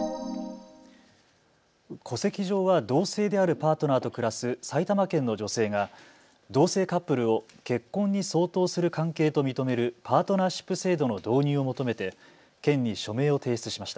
戸籍上は同姓であるパートナーと暮らす埼玉県の女性が同性カップルを結婚に相当する関係と認めるパートナーシップ制度の導入を求めて県に署名を提出しました。